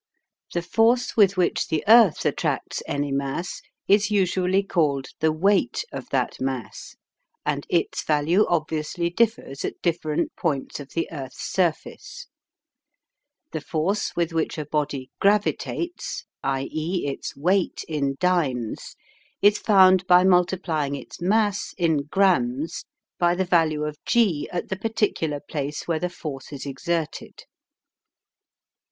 The force with which the earth attracts any mass is usually called the "weight" of that mass, and its value obviously differs at different points of the earth's surface The force with which a body gravitates i e, its weight (in dynes), is found by multiplying its mass (in grammes) by the value of g at the particular place where the force is exerted.